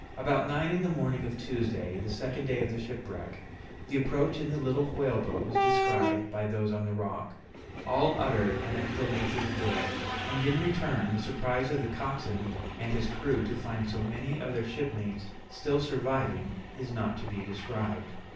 About nine in the morning of Tuesday, the second day of the shipwreck, the approach in the little whale boat was descried by those on the rock; all uttered an exclamation of joy, and in return the surprise of the coxswain and his crew to find so many of their shipmates still surviving is not to be described.